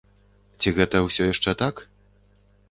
Ці гэта ўсё яшчэ так?